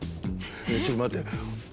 ちょっと待って。